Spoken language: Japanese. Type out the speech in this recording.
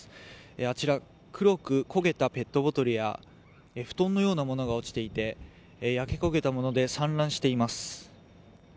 あちら黒く焦げたペットボトルや布団のようなものが落ちて焼け焦げたもので散乱しています。